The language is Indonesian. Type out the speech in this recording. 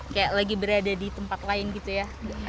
kayak lagi berada di tempat lain gitu ya